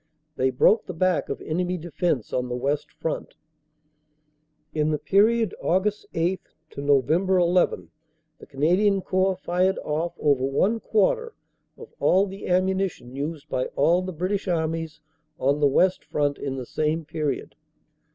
They broke the back of enemy defense on the West Front. In the period, Aug. 8 Nov. 11, the Canadian Corps fired off over one quarter of all the ammunition used by all the Bri INTO GERMANY 403 tish Armies on the West Front in the same period.